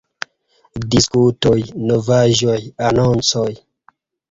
Diskutoj, Novaĵoj, Anoncoj.